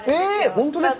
本当ですか！？